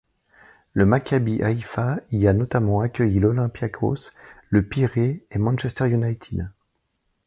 Le Maccabi Haïfa y a notamment accueilli l'Olympiakos Le Pirée et Manchester United.